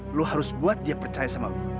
lo harus buat dia percaya sama lo